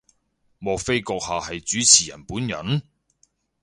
莫非閣下係主持人本人？